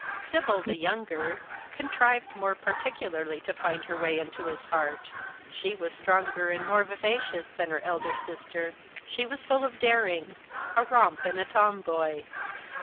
Sibyl, the younger, contrived more particularly to find her way into his heart. She was stronger and more vivacious than her elder sister. She w^as full of daring, a romp, and a tomboy.